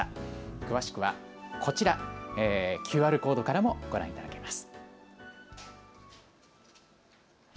詳しくはこちら、ＱＲコードからもご覧いただけます。